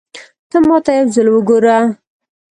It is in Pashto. ته ماته يو ځل وګوره